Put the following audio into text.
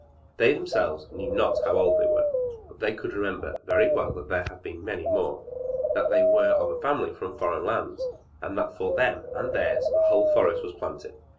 They themselves knew not how old they were, but they could remember very well that there had been many more; that they were of a family from foreign lands, and that for them and theirs the whole forest was planted.